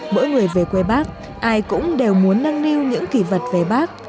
mỗi người về quê bác ai cũng đều muốn nâng niu những kỷ vật về bác